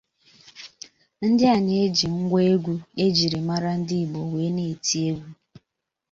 Ndịa na-eji ngwa egwu e jiri mara ndị Igbo wee na-eti egwu